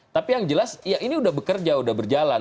tapi yang jelas ya ini udah bekerja udah berjalan